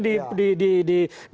di dalam keputusan kita